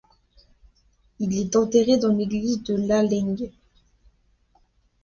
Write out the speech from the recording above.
Il est enterré dans l'église de Lallaing.